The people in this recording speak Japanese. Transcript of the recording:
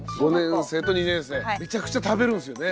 めちゃくちゃ食べるんすよね？